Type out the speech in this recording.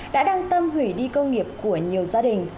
đã đang tâm hủy đi công nghiệp của nhiều gia đình